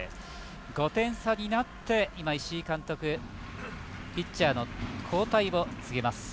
５点差になって、石井監督ピッチャーの交代を告げます。